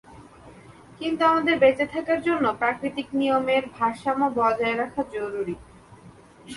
কিন্তু আমাদের বেঁচে থাকার জন্য প্রাকৃতিক নিয়মের ভারসাম্য বজায় রাখা জরুরি।